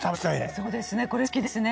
そうですよね。